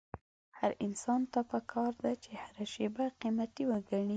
هر انسان ته پکار ده چې هره شېبه قيمتي وګڼي.